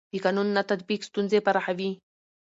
د قانون نه تطبیق ستونزې پراخوي